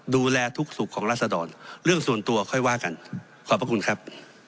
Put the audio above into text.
ดูแลทุกสุขของราศดรเรื่องส่วนตัวค่อยว่ากันขอบพระคุณครับ